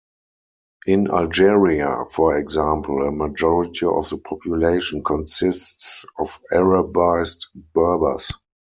In Algeria, for example, a majority of the population consists of Arabised Berbers.